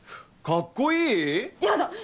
かっこいい？やだ！